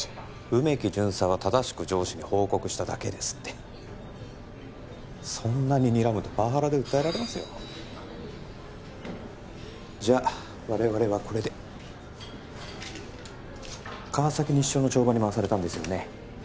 梅木巡査は正しく上司に報告しただけですってそんなににらむとパワハラで訴えられますよじゃあ我々はこれで川崎西署の帳場に回されたんですよね